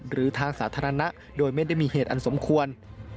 หรือทางสาธารณะโดยไม่ได้มีเหตุอันสมควร